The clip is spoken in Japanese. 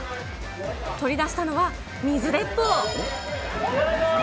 取り出したのは、水鉄砲。